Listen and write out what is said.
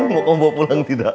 mau bawa pulang tidak